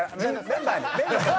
メンバーに。